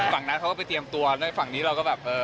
ฝั่งนั้นเขาก็ไปเตรียมตัวแล้วฝั่งนี้เราก็แบบเออ